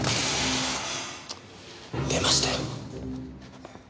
出ましたよ。